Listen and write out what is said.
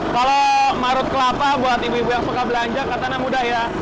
kalau marut kelapa buat ibu ibu yang suka belanja katanya mudah ya